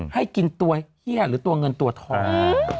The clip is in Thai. ให้กินตัวเฮียหรือตัวเงินตัวทอง